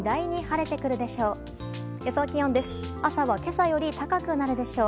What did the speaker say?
朝は今朝より高くなるでしょう。